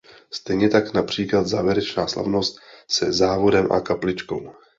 Stejně tak například závěrečná slavnost se závodem a kapličkou.